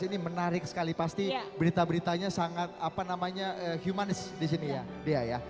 ini menarik sekali pasti berita beritanya sangat humanis disini ya